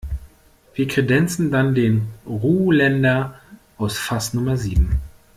Wir kredenzen dann den Ruländer aus Fass Nummer sieben.